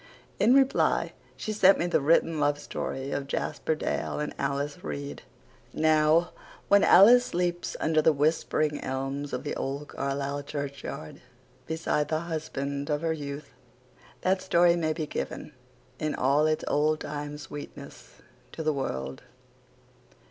In reply she sent me the written love story of Jasper Dale and Alice Reade. Now, when Alice sleeps under the whispering elms of the old Carlisle churchyard, beside the husband of her youth, that story may be given, in all its old time sweetness, to the world.